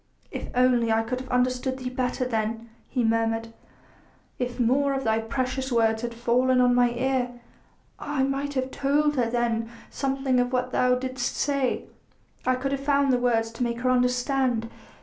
"If only I could have understood Thee better then," he murmured; "if more of Thy precious words had fallen on mine ear.... I might have told her then something of what Thou didst say ... I could have found the words to make her understand....